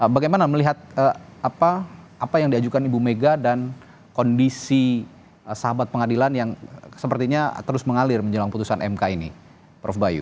bagaimana melihat apa yang diajukan ibu mega dan kondisi sahabat pengadilan yang sepertinya terus mengalir menjelang putusan mk ini prof bayu